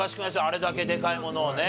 あれだけでかいものをね。